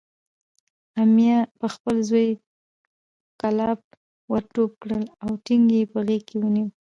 امیه پخپل زوی کلاب ورټوپ کړل او ټینګ یې په غېږ کې ونیو.